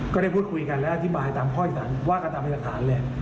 ก็ได้พูดคุยกันและอธิบายตามข้ออีกฐานว่ากันตามเอกสารเลย